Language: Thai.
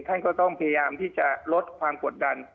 ท่านก็ต้องพยายามที่จะลดความกดดัน